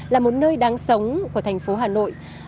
là một nơi đáng sống của thành phố hà nội